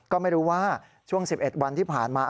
ก็ไม่รู้ว่าช่วง๑๑วันที่ผ่านมา